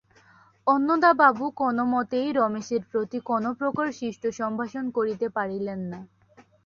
অন্নদাবাবু কোনোমতেই রমেশের প্রতি কোনোপ্রকার শিষ্টসম্ভাষণ করিতে পারিলেন না।